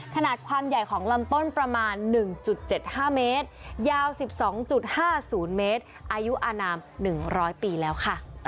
ขนาดความใหญ่ของลำต้นประมาณ๑๗๕เมตรยาว๑๒๕๐เมตรอายุอนาม๑๐๐ปีแล้วค่ะ